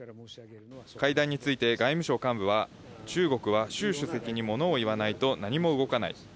会談について外務省幹部は、中国は習主席にものを言わないと何も動かない。